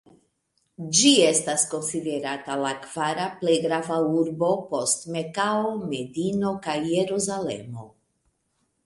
Ĝi estas konsiderata la kvara plej grava urbo post Mekao, Medino kaj "Jerusalemo".